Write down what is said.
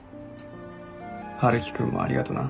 春樹君もありがとな。